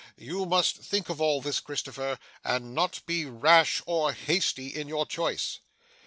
You must think of all this, Christopher, and not be rash or hasty in your choice.